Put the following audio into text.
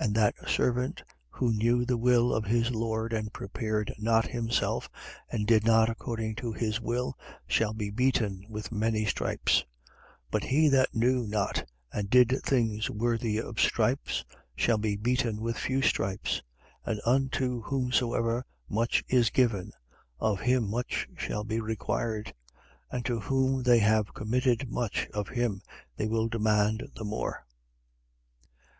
12:47. And that servant, who knew the will of his lord and prepared not himself and did not according to his will, shall be beaten with many stripes. 12:48. But he that knew not and did things worthy of stripes shall be beaten with few stripes. And unto whomsoever much is given, of him much shall be required: and to whom they have committed much, of him they will demand the more.